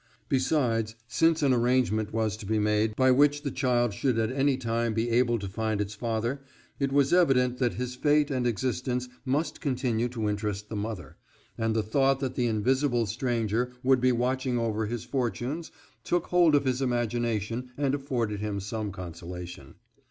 Besides, since an arrangement was to be made by which the child should at any time be able to find its father, it was evident that his fate and existence must continue to interest the mother, and the thought that the invisible stranger would be watching over his fortunes took hold of his imagination and afforded him some consolation.